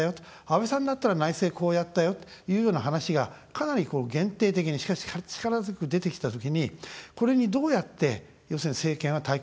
安倍さんだったら内政こうやったよっていうような話が、かなり限定的にしかし、力強く出てきたときにこれにどうやって、要するに政権は対抗していくのか。